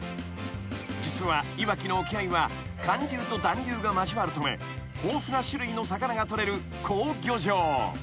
［実はいわきの沖合は寒流と暖流が交わるため豊富な種類の魚が取れる好漁場］